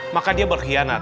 maka dia berkhianat